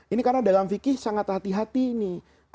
ini karena dalam fikih sangat hati hati ini